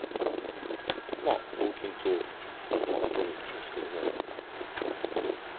まあ同金と取るんですけども。